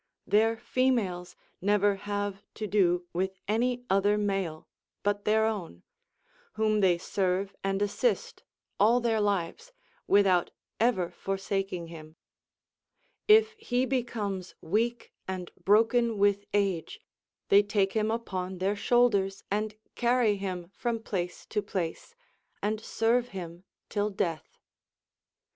Their females never have to do with any other male but their own, whom they serve and assist all their lives, without ever forsaking him. If he becomes weak and broken with age, they take him upon their shoulders and carry him from place to place, and serve him till death.